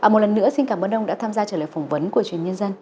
một lần nữa xin cảm ơn ông đã tham gia trả lời phỏng vấn của truyền nhân dân